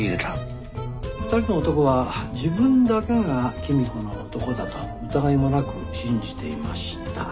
２人の男は自分だけが公子の男だと疑いもなく信じていました。